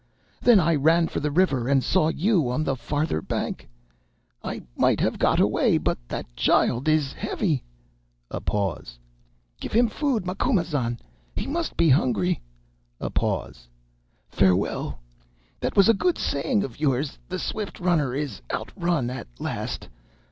Then I ran for the river, and saw you on the farther bank. I might have got away, but that child is heavy.' (A pause.) 'Give him food, Macumazahn, he must be hungry.' (A pause.) 'Farewell. That was a good saying of yours—the swift runner is outrun at last.